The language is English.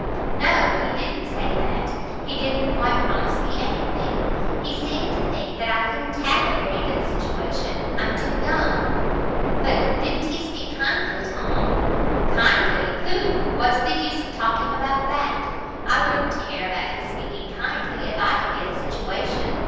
"No, he didn't say that. He didn't quite promise me anything; he seemed to think I couldn't have a very good situation. I'm too young." "But didn't he speak kindly, Tom?" "Kindly? Pooh! what's the use of talking about that? I wouldn't care about his speaking kindly, if I could get a situation.